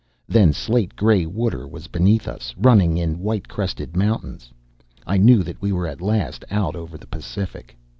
Then slate gray water was beneath us, running in white crested mountains. I knew that we were at last out over the Pacific.